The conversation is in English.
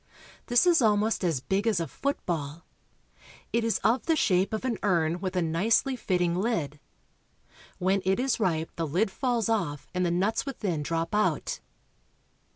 This is almost as big as a football. It is of the shape of an urn with a nicely fitting lid. When it is ripe the lid falls off and the nuts within drop out.